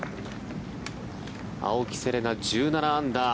青木瀬令奈、１７アンダー。